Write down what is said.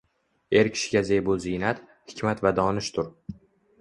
Er kishiga zebu ziynat, hikmat va donishdur.